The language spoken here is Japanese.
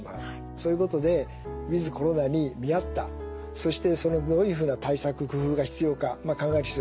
そういうことでウィズコロナに見合ったそしてそのどういうふうな対策工夫が必要か考える必要があると思います。